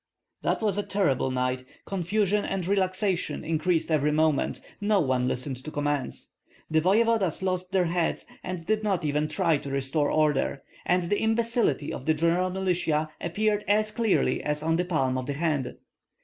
That was a terrible night: confusion and relaxation increased every moment; no one listened to commands. The voevodas lost their heads, and did not even try to restore order; and the imbecility of the general militia appeared as clearly as on the palm of the hand.